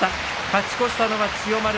勝ち越したのは千代丸。